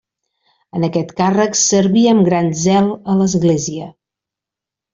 En aquest càrrec serví amb gran zel a l'església.